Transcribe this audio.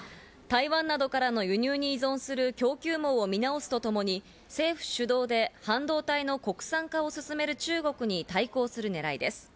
台湾などからの輸入に依存する供給網を見直すとともに、政府主導で半導体の国産化を進める中国に対抗するねらいです。